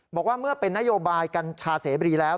บอกว่าเมื่อเป็นนโยบายกัญชาเสบรีแล้ว